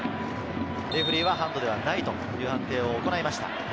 レフェリーはハンドではないという判定を行いました。